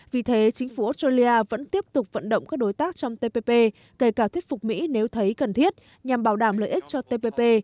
vì thế chính phủ australia vẫn tiếp tục vận động các đối tác trong tpp kể cả thuyết phục mỹ nếu thấy cần thiết nhằm bảo đảm lợi ích cho tpp